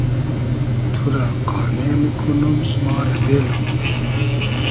تو رۂ قانې موکونوم ما رۂ بېلو